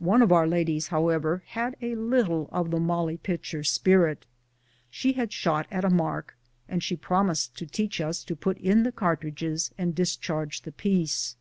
One of our ladies, however, had a little of the Mollie Pitcher spirit. She had shot at a mark, and she promised to teach us to put in the cartridges and discharge the piece.